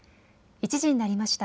１時になりました。